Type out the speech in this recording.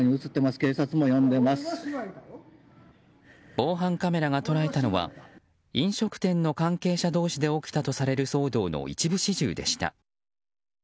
防犯カメラが捉えたのは飲食店の関係者同士で起きたとされる騒動の一部始終でした。